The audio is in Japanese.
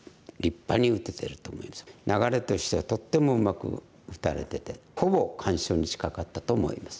流れとしてはとってもうまく打たれててほぼ完勝に近かったと思います。